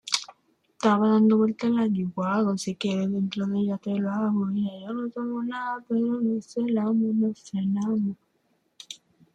A continuación comienzan dos escaleras que descienden a la cámara funeraria.